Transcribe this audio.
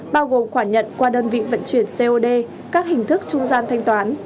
bao gồm khoản nhận qua đơn vị vận chuyển cod các hình thức trung gian thanh toán